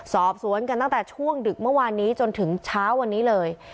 สอบสวนกันตั้งแต่ช่วงดึกเมื่อวานนี้จนถึงเช้าวันนี้เลย